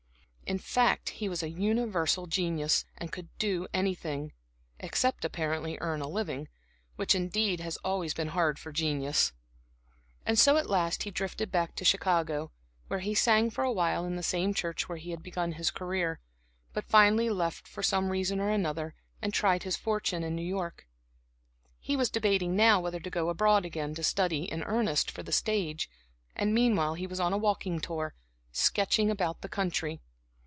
In fact, he was a universal genius, and could do anything, except apparently earn a living, which indeed has been always hard for genius. And so at last he drifted back to Chicago, where he sang for a while in the same church where he had begun his career; but finally left for some reason or another, and tried his fortune in New York. He was debating now whether to go abroad again to study in earnest for the stage, and meanwhile he was on a walking tour, sketching about the country.